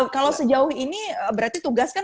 kalau sejauh ini berarti tugas kan